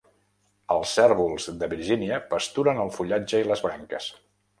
Els cérvols de Virgínia pasturen el fullatge i les branques.